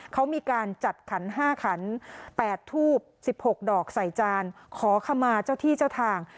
เขามีการจัดขัน๕ขัน๘ทูบ๑๖ดอกใส่จานขอขมาเจ้าที่เจ้าทาง